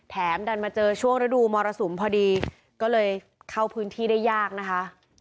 ดันมาเจอช่วงฤดูมรสุมพอดีก็เลยเข้าพื้นที่ได้ยากนะคะ